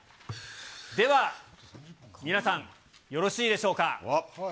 では皆さん、よろしいでしょうか。